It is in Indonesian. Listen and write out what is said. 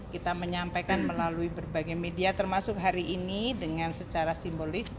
kita menyampaikan melalui berbagai media termasuk hari ini dengan secara simbolik